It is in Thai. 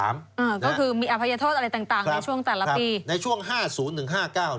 ก็คือมีอภัยโทษอะไรต่างในช่วงแต่ละปี